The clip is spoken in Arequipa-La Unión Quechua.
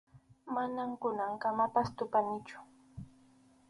Manam kunankamapas tupanichu.